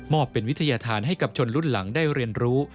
อบเป็นวิทยาธารให้กับชนรุ่นหลังได้เรียนรู้